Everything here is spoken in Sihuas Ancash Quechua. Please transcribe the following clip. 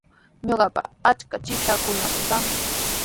Ñuqapa achka chikpashaakunami kan.